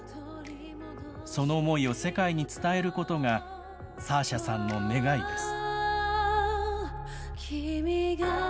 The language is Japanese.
その思いを世界に伝えることが、サーシャさんの願いです。